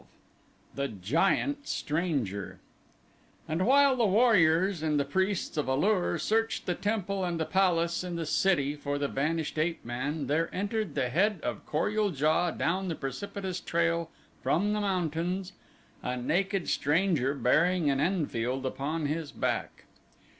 12 The Giant Stranger And while the warriors and the priests of A lur searched the temple and the palace and the city for the vanished ape man there entered the head of Kor ul JA down the precipitous trail from the mountains, a naked stranger bearing an Enfield upon his back.